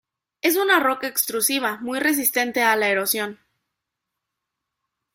Es una roca extrusiva muy resistente a la erosión.